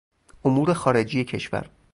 امور خارجی کشور